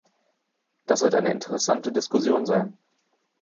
Das wird eine interessante Diskussion sein.